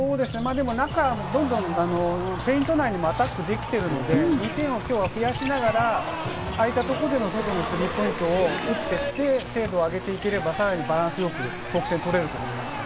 中もどんどんペイント内にもアタックできてるので、２点を今日は増やしながら、空いたところで外のスリーポイントを打っていって、精度を上げていければ、さらにバランスよく得点が取れると思います。